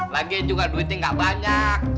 lagian juga duitnya enggak banyak